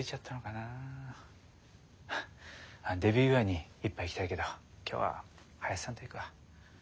デビュー祝いに一杯行きたいけど今日は林さんと行くわ。